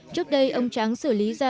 trước đây ông tráng xử lý ra